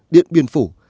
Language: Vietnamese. điện biên phủ